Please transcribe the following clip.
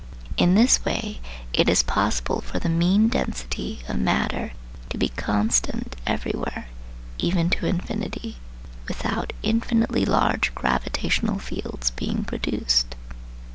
In this way it is possible for the mean density of matter to be constant everywhere, even to infinity, without infinitely large gravitational fields being produced.